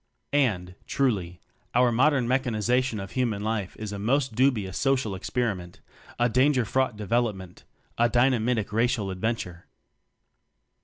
And, truly, our modern mechaniza tion of human life is a most dubious social experiment a danger fraught development a dynamitic racial ad venture.